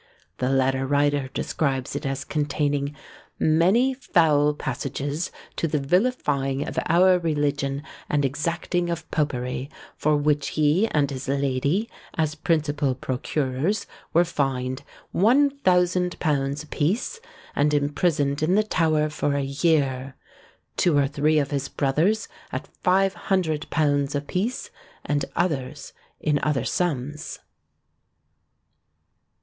The letter writer describes it as containing "many foul passages to the vilifying of our religion and exacting of popery, for which he and his lady, as principal procurers, were fined one thousand pounds apiece, and imprisoned in the Tower for a year; two or three of his brothers at five hundred pounds apiece, and others in other sums."